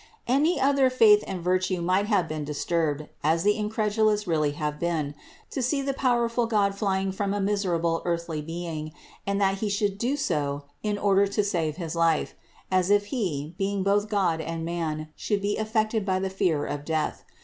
610. Any other faith and virtue might have been dis turbed (as the incredulous really have been) to see the powerful God flying from a miserable earthly being, and that He should do so in order to save his life, as if He, being both God and man, could be affected by the fear of death.